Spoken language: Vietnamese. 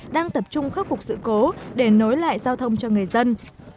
đang tập trung khắc phục sự cố để nối lại giao thông cho người dân